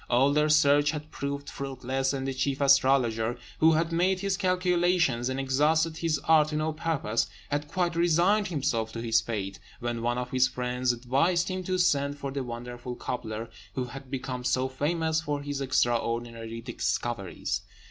All their search had proved fruitless, and the chief astrologer, who had made his calculations and exhausted his art to no purpose, had quite resigned himself to his fate, when one of his friends advised him to send for the wonderful cobbler, who had become so famous for his extraordinary discoveries.